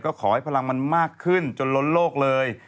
ก็ขอให้พลังมันมากขึ้นจนล้นโลกเลย